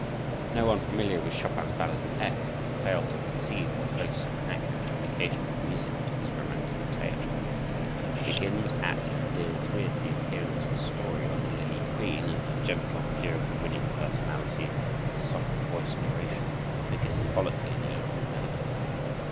No one familiar with Chopin's ballade in F can fail to perceive the close and accurate application of the music to this romantic tale. It begins at and deals with the appearance and story of the lily queen, and her gentle, pure, and winning personality, and soft voiced narration, figure symbolically in the opening melody.